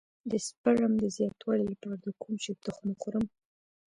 د سپرم د زیاتوالي لپاره د کوم شي تخم وخورم؟